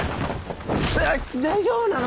うっ大丈夫なの？